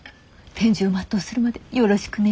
天寿を全うするまでよろしくね。